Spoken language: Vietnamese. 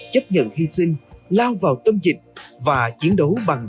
chấp nhận hy sinh lao vào tâm dịch và chiến đấu bằng